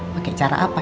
pake cara apa